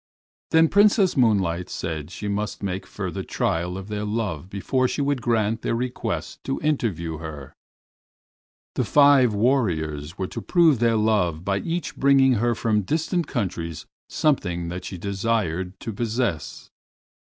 Then Princess Moonlight said she must make further trial of their love before she would grant their request to interview her. The five warriors were to prove their love by each bringing her from distant countries something that she desired to possess.